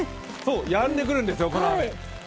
やんでくるんですよ、この雨。